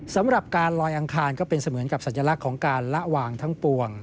สำหรับการลอยอังคารก็เป็นเสมือนกับสัญลักษณ์ของการละวางทั้งปวง